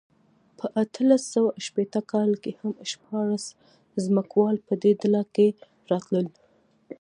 په اتلس سوه شپېته کال کې هم شپاړس ځمکوال په دې ډله کې راتلل.